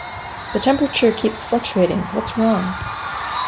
The temperature keeps fluctuating, what's wrong?